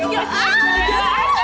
aduh asik aja dia